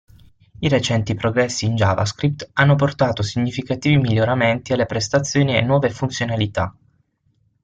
I recenti progressi in JavaScript hanno portato significativi miglioramenti alle prestazioni e nuove funzionalità.